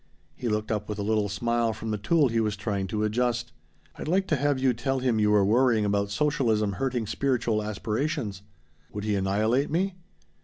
He looked up with a little smile from the tool he was trying to adjust. "I'd like to have you tell him you were worrying about socialism hurting spiritual aspirations." "Would he annihilate me?"